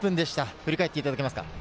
振り返っていただけますか。